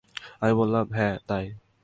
আমি বললাম, হ্যাঁ, তাই।